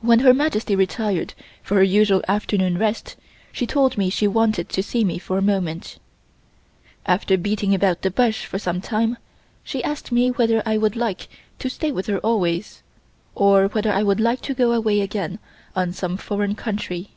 When Her Majesty retired for her usual afternoon rest she told me she wanted to see me for a moment. After beating about the bush for some time, she asked me whether I would like to stay with her always or whether I would like to go away again to some foreign country.